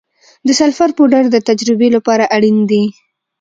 د سلفر پوډر د تجربې لپاره اړین دی.